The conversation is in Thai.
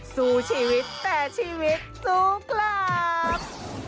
สู้ชีวิตแต่ชีวิตสู้กลับ